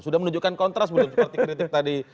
sudah menunjukkan kontras belum seperti kritik tadi